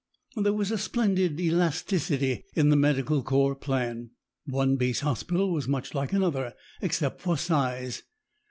There was a splendid elasticity in the Medical Corps plan. One base hospital was much like another, except for size.